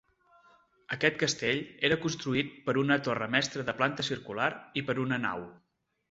Aquest castell era constituït per una torre mestra de planta circular i per una nau.